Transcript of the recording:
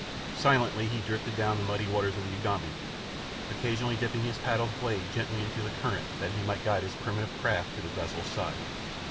Silently he drifted down the muddy waters of the Ugambi, occasionally dipping his paddle's blade gently into the current that he might guide his primitive craft to the vessel's side.